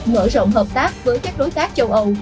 mở rộng hợp tác với các đối tác châu âu